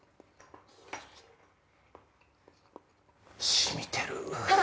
しみてる！